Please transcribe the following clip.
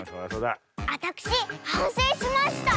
あたくしはんせいしました！